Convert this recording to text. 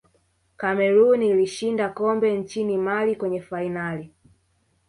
cameroon ilishinda kombe nchini mali kwenye fainali